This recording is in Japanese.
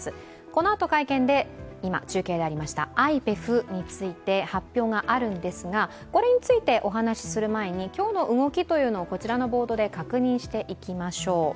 このあと会見で今、中継でありましたＩＰＥＦについて発表があるんですが、これについてお話しする前に今日の動きというのをボードで確認していきます。